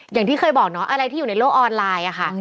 อย่างที่เคยบอกเนาะอะไรที่อยู่ในโลกออนไลน์อะค่ะ